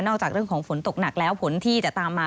จากเรื่องของฝนตกหนักแล้วฝนที่จะตามมา